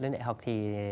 lên đại học thì